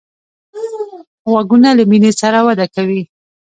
غوږونه له مینې سره وده کوي